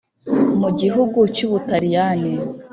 Mu gihugu cy’u Butaliyani